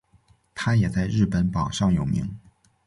它也在日本榜上有名。